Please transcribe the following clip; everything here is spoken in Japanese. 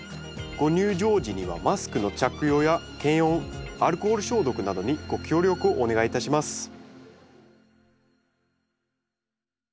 ご入場時にはマスクの着用や検温アルコール消毒などにご協力をお願いいたします